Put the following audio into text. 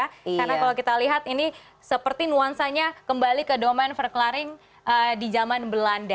karena kalau kita lihat ini seperti nuansanya kembali ke domain verklaring di jaman belanda